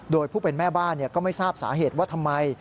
โดยผู้เป็นแม่บ้านก็ไม่ทราบสาเหตุว่าทำไม